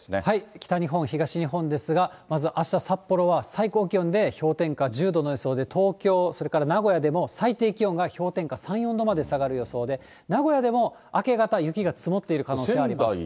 北日本、東日本ですが、まずあした、札幌は最高気温で氷点下１０度の予想で、東京、それから名古屋でも最低気温が氷点下３、４度まで下がる予想で、名古屋でも明け方、雪が積もっている可能性あります。